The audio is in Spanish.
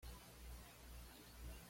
Estuvo casada con Dominique Strauss-Kahn.